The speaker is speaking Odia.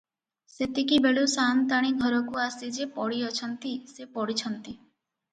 ସେତିକିବେଳୁ ସାଆନ୍ତାଣୀ ଘରକୁ ଆସି ଯେ ପଡିଅଛନ୍ତି, ସେ ପଡ଼ିଛନ୍ତି ।